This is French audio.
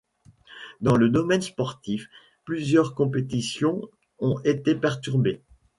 Dans le domaine sportif, plusieurs compétitions ont été perturbées.